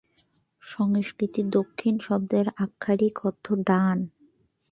সংস্কৃত "দক্ষিণ" শব্দের আক্ষরিক অর্থ "ডান"।